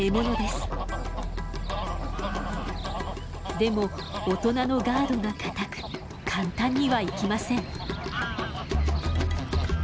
でも大人のガードが固く簡単にはいきません。